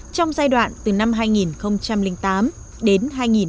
trong giai đoạn từ năm hai nghìn tám đến hai nghìn một mươi